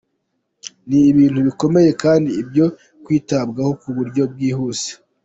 Ni ibintu bikomeye kandi byo kwitabwaho ku buryo bwihuse.